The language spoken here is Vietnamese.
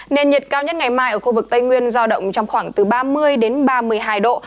nền nhiệt cao nhất ngày mai ở khu vực tây nguyên giao động trong khoảng từ ba mươi đến ba mươi hai độ